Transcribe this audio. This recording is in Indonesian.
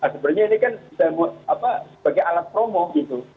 sebenarnya ini kan sebagai alat promo gitu